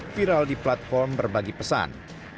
viral di platform berbagi pesan